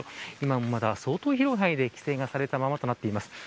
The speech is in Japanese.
今もまだ、相当広い範囲で規制がされたままとなっています。